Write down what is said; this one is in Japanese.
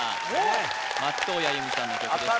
松任谷由実さんの曲です